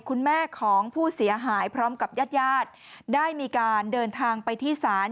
คุณแม่ของผู้เสียหายพร้อมกับญาติญาติได้มีการเดินทางไปที่ศาล